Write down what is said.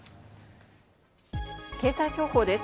経済情報です。